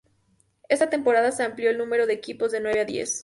Esta temporada se amplió el número de equipos de nueve a diez.